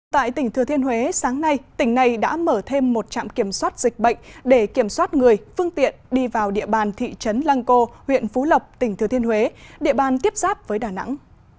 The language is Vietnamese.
tại tỉnh thừa thiên huế sáng nay tỉnh này đã mở thêm một trạm kiểm soát dịch bệnh để kiểm soát người phương tiện đi vào địa bàn thị trấn lăng cô huyện phú lộc tỉnh thừa thiên huế địa bàn tiếp giáp với đà nẵng